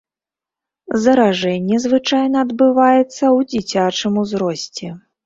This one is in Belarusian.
Заражэнне звычайна адбываецца ў дзіцячым узросце.